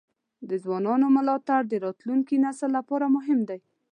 د ځوانانو ملاتړ د راتلونکي نسل لپاره مهم دی.